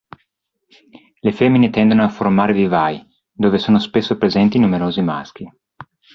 Le femmine tendono a formare vivai, dove sono spesso presenti numerosi maschi.